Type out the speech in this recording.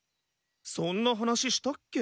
そんな話したっけ？